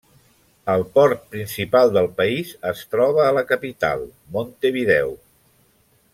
El port principal del país es troba a la capital, Montevideo.